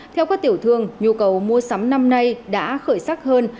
theo các tiểu thương nhu cầu mua sắm năm nay đã khởi sắc hơn